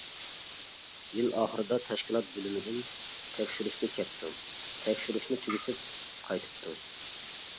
يىل ئاخىرىدا تەشكىلات بۆلۈمىدىن تەكشۈرۈشكە كەپتۇ، تەكشۈرۈشنى تۈگىتىپ قايتىپتۇ.